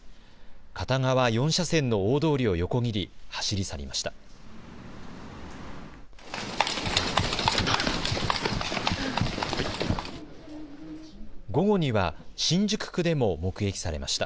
片側４車線の大通りを横切り走り去りました。